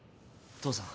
父さん。